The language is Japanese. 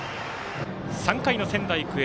３回の仙台育英。